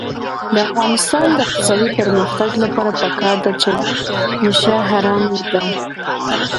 د افغانستان د اقتصادي پرمختګ لپاره پکار ده چې نشه حرامه ده.